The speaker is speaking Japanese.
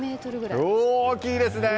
大きいですね。